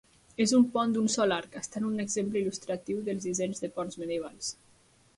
És un pont d'un sol arc, estant un exemple il·lustratiu dels dissenys de ponts medievals.